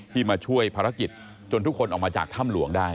มาช่วยภารกิจจนทุกคนออกมาจากถ้ำหลวงได้